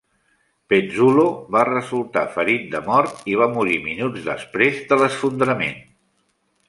Pezzulo va resultar ferit de mort i va morir minuts després de l'esfondrament.